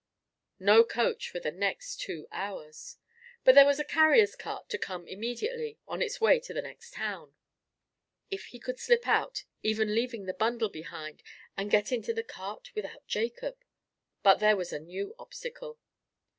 No coach for the next two hours. But there was a carrier's cart to come immediately, on its way to the next town. If he could slip out, even leaving his bundle behind, and get into the cart without Jacob! But there was a new obstacle.